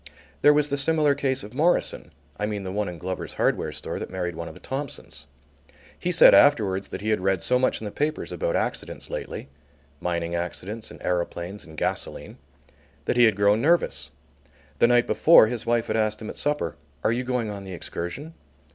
There was the similar case of Morison (I mean the one in Glover's hardware store that married one of the Thompsons). He said afterwards that he had read so much in the papers about accidents lately, mining accidents, and aeroplanes and gasoline, that he had grown nervous. The night before his wife had asked him at supper: "Are you going on the excursion?"